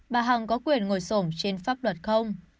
bà hằng có quyền ngồi sổm trên pháp luật không